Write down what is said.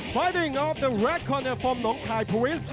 ภารกิจของนองคายโปรวิส